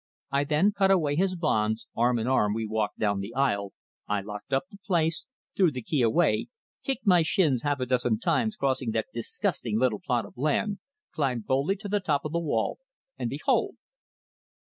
I then cut away his bonds, arm in arm we walked down the aisle, I locked up the place, threw the key away, kicked my shins half a dozen times crossing that disgusting little plot of land, climbed boldly to the top of the wall, and behold!"